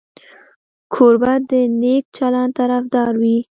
کوربه د نیک چلند طرفدار وي.